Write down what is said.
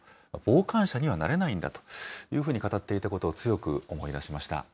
傍観者にはなれないんだと語っていたことを強く思い出しました。